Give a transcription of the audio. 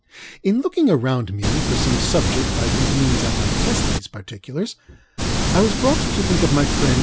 In looking around me for some subject by whose means I might test these particulars, I was brought to think of my friend, M.